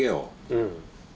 うん。